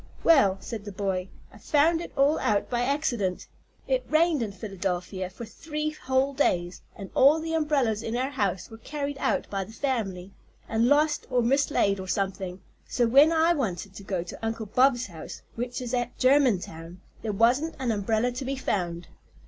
"Well," said the boy, "I found it all out by accident. It rained in Philadelphia for three whole days, and all the umbrellas in our house were carried out by the family, and lost or mislaid, or something, so that when I wanted to go to Uncle Bob's house, which is at Germantown, there wasn't an umbrella to be found.